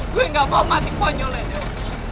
gue gak mau mati ponjolet dong